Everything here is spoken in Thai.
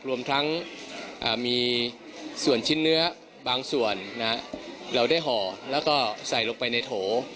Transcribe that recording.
รวมทั้งมีส่วนชิ้นเนื้อบางส่วนเราได้ห่อแล้วก็ใส่ลงไปในโถ